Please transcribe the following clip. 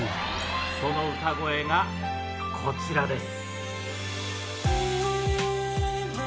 その歌声がこちらです。